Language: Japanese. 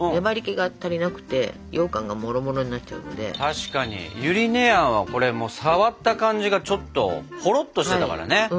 確かにゆり根あんはこれ触った感じがちょっとほろっとしてたからね。